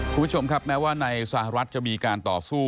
คุณผู้ชมครับแม้ว่าในสหรัฐจะมีการต่อสู้